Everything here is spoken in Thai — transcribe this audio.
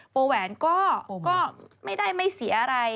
แหวนก็ไม่ได้ไม่เสียอะไร